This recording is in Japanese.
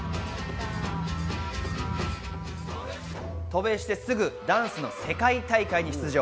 渡米してすぐ、ダンスの世界大会に出場。